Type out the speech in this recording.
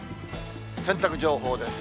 洗濯情報です。